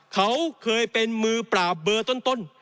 เขาเคยเป็นมือปราบเบอร์ต้น